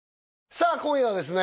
さあ今夜はですね